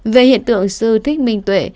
về hiện tượng sư thích minh tuệ